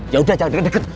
ya udah jangan deket deket